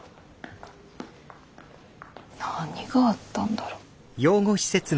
何があったんだろう。